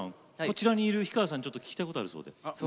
こちらにいる氷川さんにちょっと聞きたいことあるそうで。